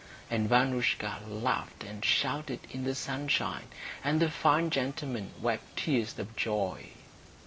And Vanoushka laughed and shouted in the sunshine, and the fine gentleman wept tears of joy.